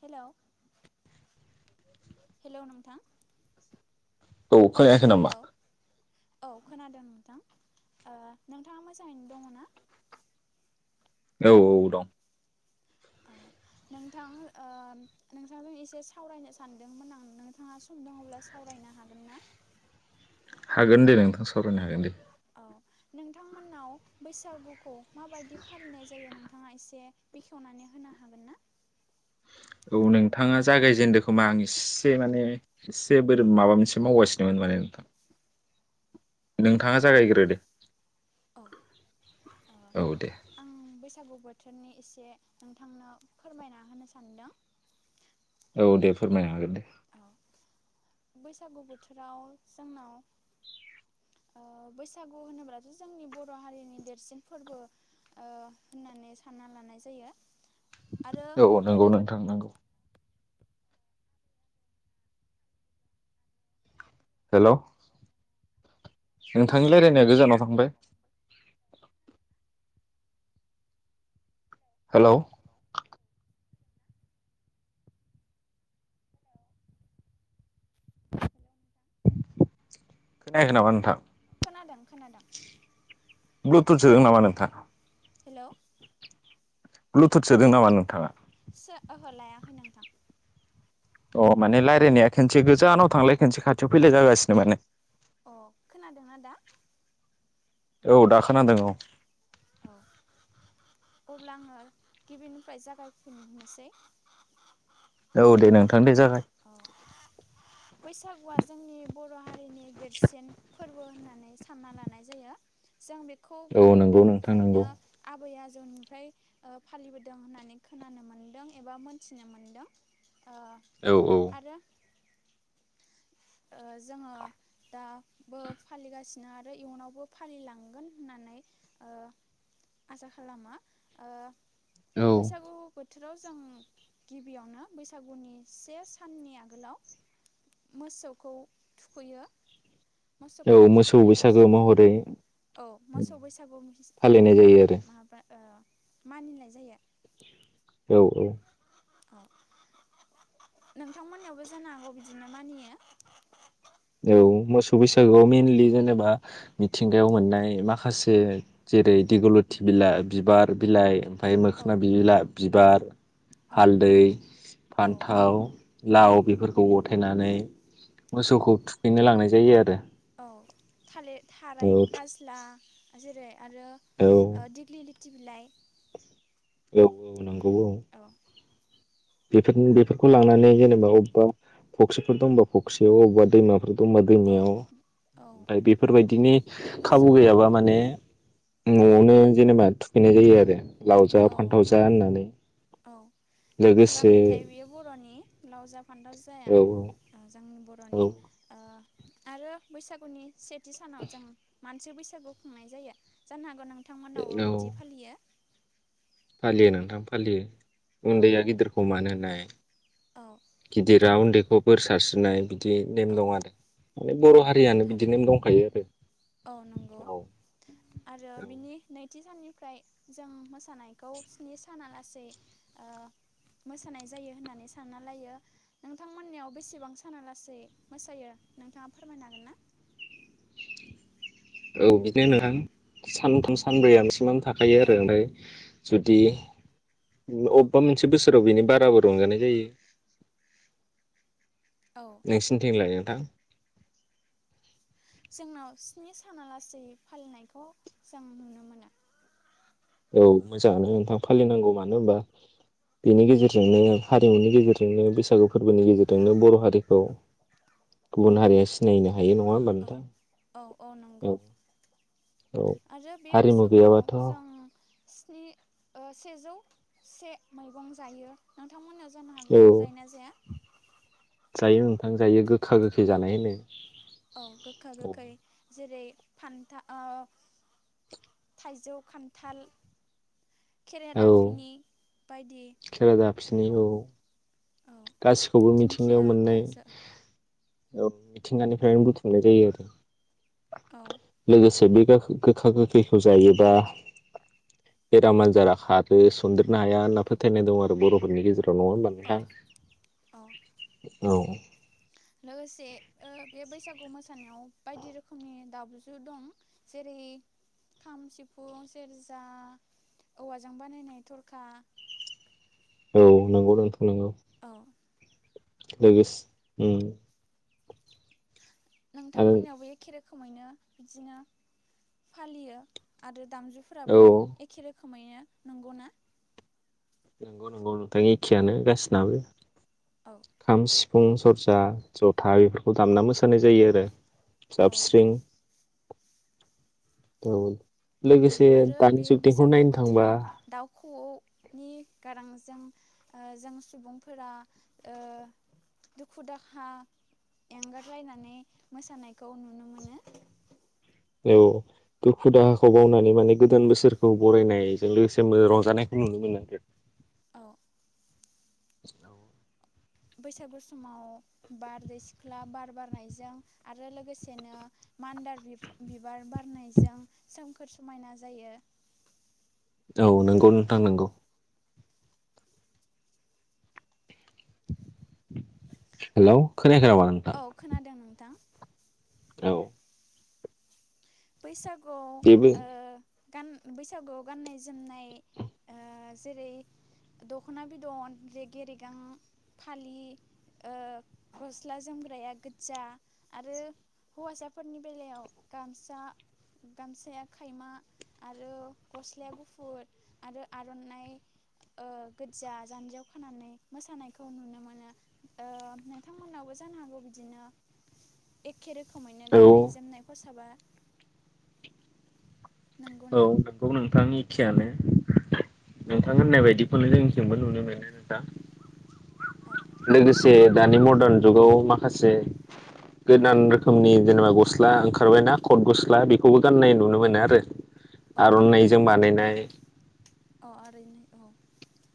Hello hello नोंथां। औ खोनायाखै नामा हेलौ औ खोनादों नोंथां ओ नोंथाङा मोजाङैनो दङ ना? औ औ दं औ नोंथां ओ नोंथांजों एसे सावरायनो सानदोंमोन आं नोंथाङा सम दङब्ला सावरायनो हागोन ना? हागोन दे नोंथां सावरायनो हागोन दे। औ नोंथांमोननाव बैसागुखौ माबायदि फालिनाय जायो नोंथाङा एसे बेखेवनानै होनो हागोन ना। औ नोंथाङा जागायजेनदों खोमा आं एसे माने एसे बोरै माबा मोनसे मावगासिनोमोन माने नोंथां नोंथाङा जागायग्रो दे औ ओ औ दे। आं बैसागु बोथोरनि एसे नोंथांनो फोरमायना होनो सानदों औ दे फोरमायनो हागोन दे। औ बैसागु बोथोराव जोंनाव ओ बैसागु होनोब्लाथ' जोंनि बर' हारिनि देरसिन फोरबो ओ होननानै सानना लानाय जायो आरो औ नंगौ गोदो गोदाय नोंथां नंगौ। हेल नोंथांनि रायलायनाया गोजानाव थांबाय। हेलौ खोनायाखै नामा नोंथां? खोनादों खोनादों ब्लुथुथ सोदों नामा नोंथां? हेलौ ब्लुथुथ सोदों नामा नोंथाङा? सो ओहो लायाखै नोंथां अ माने रायजलायनाया खनसे गोजानाव थांलाय खनसे खाथियाव फैलाय जागासिनो माने अ खोनादों आदा औ दाखोना दो औ औ अब्ला आंङो गिबिनिफ्राय जागायफिन होननोसै। औ दे नोंथां दे जागाय बैसागुआ जोंनि बर' हारिनि देरसिन फोरबो होननानै सानना लानाय जायो। जों बेखौ खौ औ गोदो नंगौ नोंथां नंगौ गोदायनिफ्रायनो आबै आज ओमफ्राय फालिबोदों होननानै खोनानो मोनदों एबा मोनथिनो मोनदों ओ औ आरो जोङो दाबो फालिगासिनो आरो इयुनावबो फालिलांगोन होननानै आसा खालामो औ औ बैसागु बोथ बोथोराव जों गिबियावनो बैसागुनि से साननि आगोलाव मोसौ खौ थुखैयो औ मोसौखौ मोसौ थुखोननाय बैसागो समाव महरै औ मोसौ फालिनाय बैसागु महरै जायो आरो माबा मानिनाय जायो औ औ औ नोंथांमोनयावबो जानो हागौ बिदिनो मानियो औ मोसौ बैसागोआव मइेनलि जेनेबा मिथिंगायाव मोननाय माखासे जेरै दिगलथि बिलाइ बिबार बिलाइ [unintelligible] औ मोखोना बिलोलाब बिबार औ हालदै औ फान्थाव लाव औ बेफोरखौ फथायनानै मोसौखौ थुखैनो लांनाय जायो आरो। औ थालिर औ थाराय गाज्ला जेरै आरो औ ओ दिग्लिलि - बिलाइ नोंगौ [unintelligible] औ बेफोर बेफोरखौ लानानै जेनेबा अबेबा फख्रिफोर दंबा फख्रियाव अबेबा दैमाफोर दंबा औ दैमायाव औ ओमफाय बेफोरबायदिनि मोसौ खाबु गुथु गैयाबा माने न'आवनो जेनेबा थुखैनाय जायो आरो। लाव जा, औ फान्थाव जा, होननानै। औ खुगा लोगोसे मेथाइ बेयो बर'नि लाव जा, फान्थाव जाया औ ओ जों ब औ र'नि। ओ आरो बैसागुनि सेथि सानाव जों मान सि बैसागु खुंनाय जायो। जानो हागौ नों थांमोनावबो औ बिदि फालियो? फालियो नोंथां फालियो। औ उन्दैया गिदिरखौ मानो होनाय, औ ए गिदिरा उन्दै खौ बोर सारस्रिनाय बिदि नेम औ दं आरो माने औ बर' नंगौ हारियानो बिदि थारैनो नेम दंखायो आरो। औ नंगौ औ औ फ्राय जों मोसानायखौ स्नि साना लासै ओ मोसानाय जायो होननानै सानना लायो। नोंथांमोननियाव बेसेबां साना लासै मोसायो नोंथाङा फोरमायनो हागोन ना? औ बिदिनो नोंथां सानथाम सानब्रैया नों थाखायो औ आरो ओमफ्राय जुदि उ औ अबेबा मोनसे बोसो राव बिनि बाराबो रंजानाय जायो। औ नोंसिनिथिंलाय नों थां? जोंनाव स्नि सानालासै फालिनायखौ जों नुनो मोनो। औ मोजाङानो नोंथां फालिनांगौ मानो होनबा बेनि गेजेरजोंनो हारिमुनि गेजेरजोंनो बैसागु फोरबोनि गेजेरजोंनो बर' हारिखौ गुबुन हारिया सिनायनो हायो नङा होमबा औ नोंथां औ औ नंगौ औ आरो बे हारिमु बैसागुआव गैयाबाथ' जों औ स्नि ओ सेजौ से मैगं जायो। नोंथांमोननियाव जानो हागौ जायना जाया? आं जायो गो खा गोखै औ जानाय होनो औ गोखा औ। गोखै जेरै फान्था ओ थाइजौ, खान्थाल खेरादाफिनि बायदि खेरादाबसनि मैगं औ औ गासिखौबो मिथिंगायाव दिंखिया मोननाय। थाइजौ औ मिथिंगानिफ्रायनो बुथुमनाय जायोआरो औ लोगोसे बे [unintelligible] गोखा गोखैखौ जायोबा बेराम आजारा खारो सनदेरनो हाया होनना फोथायनाय दं आरो बर'फोरनि गेजेराव। नंङा होनबा औ नोंथां? औ [inaudible] औ लोगोसे ओ बे बैसागु मोसानायाव बायदि रोखोमनि दामजु दं जेरै खाम सिफुं सेरजा औवाजों बानायनाय थरखा औ नंगौ नोंथां नोंगौ। औ लोगोसे उम आरो नोंथांमोननियावबो एकेे रोख रोखोमैनो बिदिनो फालियो आरो औ दामजुफोराबो एखे रोखो [unintelligible] नंगौना? नंगौ नंगौ नोंथां एखेयानो गासिनाबो औ खाम सि फुं सरजा जथा इफोरखौ दामना मोसानाय जायो आरो औ जाबस्रिं [unintelligible] आरो दानि बे जुगनिखौ बैसागु नायनो थांबा बोथोराव दाउ खौवौनि गारां जों ओ जों सुबुंफोरा ओ दुखु दाखा एंगारलायनानै मोसानायखौ नुनो मोनो। औ दुखु दाहाखौ बावनानै माने गोदान बोसोरखौ बरायनायजों लोगोसे रंजानायखौ नुनो मोनो आरो। औ। औ बैसागु समाव बारदै सिख्ला बार बारनायजों आरो लोगोसेनो मान्दार बिबार बारनायजों सोमखोर समायना जायो। औ नंगौ नोंथां नंगौ। हेलौ। खोनायाखै नामा नोंथां औ खोनादों नोंथां। औ। बैसागु जेबो गान बैसागुआव गाननाय जोमनाय ओ जेरै दख'ना बिदन रेगे रेगां फालि गस्ला जोमग्राया गोज्जा आरो हौवासाफोरनि बेलायाव गामस सा गामसाया खायमा आरो गस्लाया गुफुर आरो आर'नाइ ओ गोजजा जानजियाव खोनानानै मोसानायखौ नुनो मोनो ओ नोंथांमोनावबो जानो हागौ बिदिनो एख एखे रोखोमैनो औ गाननाय जोमनाय फसाबा औ नंगौना? नोंगौ नोंथांनि एखेयानो औ नोंथां होननाय बायदिखौनो जों जोंबो नुनो मोनो नोंथां। औ लोगोसे दानि मरदान जुगाव मा माखासे गोदान रोखोमनि जेनेबा गस्ला ओंखारबाय ना कट गस्ला बेखौबो गाननाय नुनो मोनो आरो आरनाइजों बानायनाय [unintelligible] अ आरनाइ औ।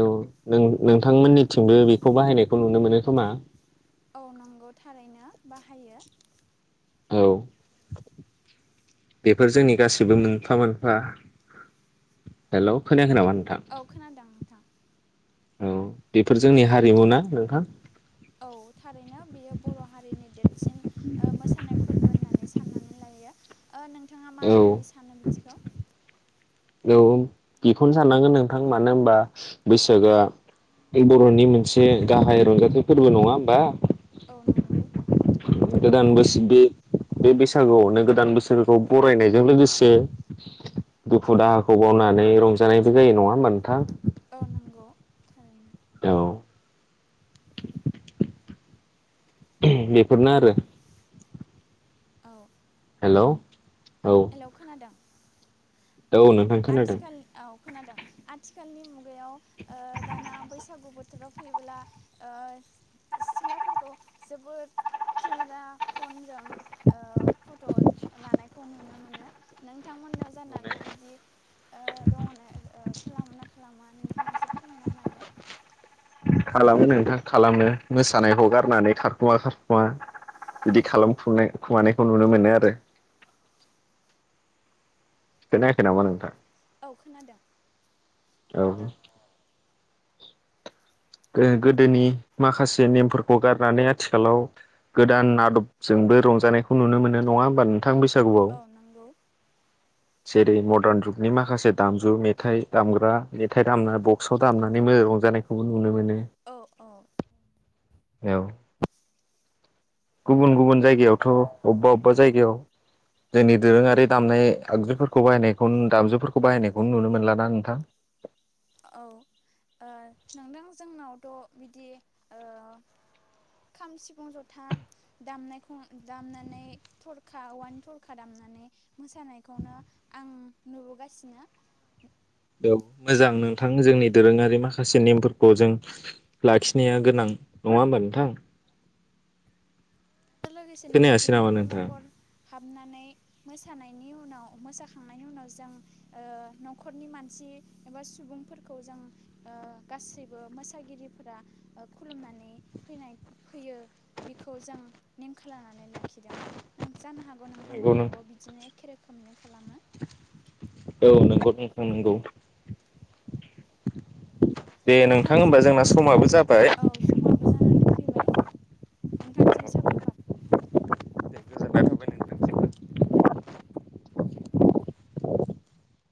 औ नों नोंथांमोननिथिंबो बेखौ बाहायनायखौ नुनो मोनो खोमा? औ नंगौ थारैनो बाहायो। औ बेफोर जोंनि गासिबो मोनफा मोनफा हेल औ खोनायाखै नामा नोंथां? औ खोनादों नोंथां औ बेफोर जोंनि हारिमु ना नोंथां? औ थारैनो बेयो बर'हारिनि देरसिन मोसानाय फोरबो होननानै साननानै लायो। नोंथाङा मा औ होननानै सानो बिदिखौ? औ बेखौनो साननांगोन नोंथां मानो होनबा बैसागोआ बर'नि मोनसे गाहाय रंजाथाइ फोरबो नङा होमबा? औ नंगौ थारैनो। गोदान बोसोर बे बे बैसागुआवनो गोदान बोसोरखौ बरायनायजों लोगोसे दुखु दाहाखौ बावनानै रंजानायबो जायो नङा होनबा नोंथां? औ नंगौ थारैनो। औ ओम बेफोरनो आरो औ। हेल हेलौ खोनादों? औ नोंथां खोनादों। आथिखाल औ खोनादों आथिखालनि मुगायाव ओ दाना बैसागु बोथोराव फैबोला सिख्लाफोरखौ जोबोद केमेरा फनजों ओ‌ फट' लानायखौ नुनो मोनो नोंथांमोननाव जानांगौ बिदि ओ दङनो ओ खालामो ना खालामा नोंथाङा एसे फोरमायना नो हागोन। खालामो नोंथां खालामो मोसानायखौ गारनानै थाखुमा- थाखुमा बिदि खालामखुनाय खुमानायखौ नुनो मोनो आरो। खोनायाखै नामा‌ नोंथां? औ खोनादों। औ गो-गोदोनि माखासे नेमफोरखौ गारनानै आथिखालाव गोदान आदबजोंबो रंजानायखौ नुनो मोनो नङा होमबा नो थां बैसागुआव औ नंगौ जेत। बे मदार्न जुगनि माखासे दामजु मेथाइ दामग्रा मेथाइ दामना बक्सआव दामनानै मो‌ रंजानायखौ खौ नुनो मोनो। ओ अह। गुबुन-गुबुन जायगायावथ अबबा-अबबा जायगायाव जोंनि दोरोङारि दामनाय आगजुफोरखौ बाहायनायखौ दामजुफोरखौ बाहायनायखौनो नुनो मोनला ना नोंथां। औ ओ‌ नोंदों जोंनावथ‌' बिदि ओ खाम सिफुं जथा दामनायखौ दामनानै थरखा औवानि थरखा दामनानै। मोसानायखौनो आं। नुबोगासिनो याव मोजां नोंथां जोंनि दोरोंङारि माखासे नेमफोरखौ जों लाखिनाया गोनां नंङा होमबा नोंथां। रो लोगोसेनो खोनायासै बिदि नामा नोंथाङा नखर-नखर हाबनानै मोसानायनि उनाव मोसाखांनायनि उनाव जों ओ नखरनि मानसि एबा सुबुंफोरखौ जों ओ गासैबो मोसागिरिफोरा खुलुमनानै फैनाय फैयो बिखौ जों नेम खालामनानै लाखिदों नों जानो हागौ नंगौ नोंथां नोंथांमोननियावबो बिदिनो खे रोखोमैनो खालामो। औ नोंगौ नोंथां नोंगौ। नोंथांजोंना जाबाय औ समाबो जानानै फैबाय नोंथांनिसिम साबायखर गोजोननाय थाबाय